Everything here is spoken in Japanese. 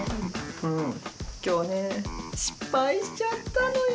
うん今日ね失敗しちゃったのよ。